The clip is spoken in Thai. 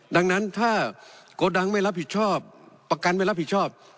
ดังนั้นถ้าโกดังไม่รับผิดชอบประกันไม่รับผิดชอบ